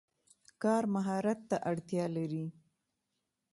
کار مهارت ته اړتیا لري.